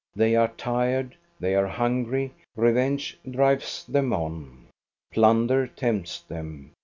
They are tired, they are hungry ; revenge drives them cm, plunder tempts them.